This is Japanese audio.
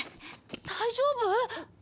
大丈夫？